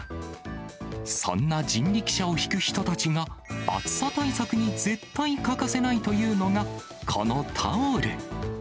そんな人力車を引く人たちが、暑さ対策に絶対欠かせないというのが、このタオル。